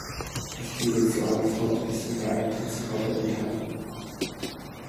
Das Ticket zur Anfahrt ist in der Eintrittskarte enthalten.